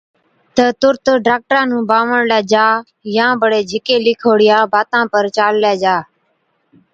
تہ تُرت ڊاڪٽرا نُون بانوڻلَي جا يان بڙي جھِڪي لِکوڙِيان باتان پر چاللَي جا۔